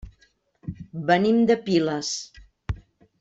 Venim de Piles.